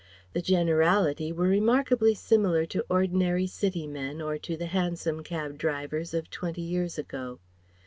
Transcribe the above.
The generality were remarkably similar to ordinary city men or to the hansom cab drivers of twenty years ago.